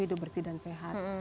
hidup bersih dan sehat